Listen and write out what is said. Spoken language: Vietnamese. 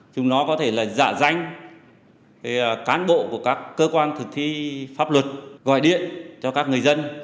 chúng nó có thể là giả danh cán bộ của các cơ quan thực thi pháp luật gọi điện cho các người dân